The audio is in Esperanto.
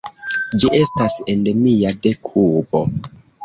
Ĝi estas endemia de Kubo.